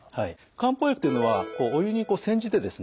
漢方薬というのはお湯にこう煎じてですね